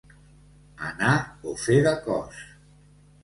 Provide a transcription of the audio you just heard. Anar o fer de cos.